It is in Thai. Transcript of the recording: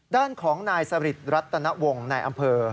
ด้านของนายสฤทธิ์รัฐนวงในอำเภอ